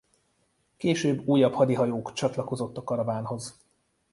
Később újabb hadihajók csatlakozott a karavánhoz.